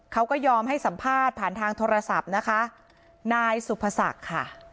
เขาก็ยอมให้สัมภาษณ์ผ่านทางโทรศัพท์นะคะนายสุภศักดิ์ค่ะ